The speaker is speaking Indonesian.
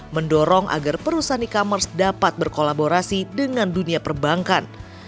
mendorong agar perusahaan e commerce dapat berkolaborasi dengan dunia perbankan